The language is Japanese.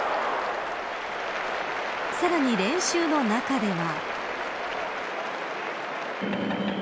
さらに練習の中では。